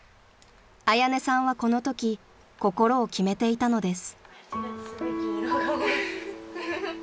［彩音さんはこのとき心を決めていたのです］